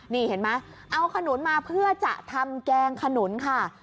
นี่เห็นไหมเอาขนุนมาเพื่อจะทำแกงขนุนค่ะ